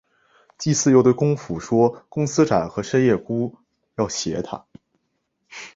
季姒又对公甫说公思展和申夜姑要挟她。